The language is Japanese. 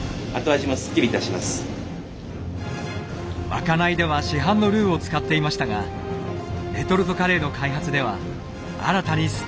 まかないでは市販のルーを使っていましたがレトルトカレーの開発では新たにスパイスを調合しました。